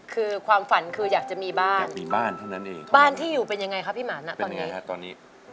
คือความฝันคืออยากจะมีบ้านอยากมีบ้านเท่านั้นเองครับบ้านที่อยู่เป็นยังไงครับพี่หมานะเป็นยังไงครับตอนนี้